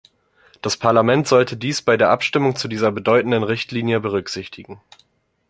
Das Parlament sollte dies bei der Abstimmung zu dieser bedeutenden Richtlinie berücksichtigen.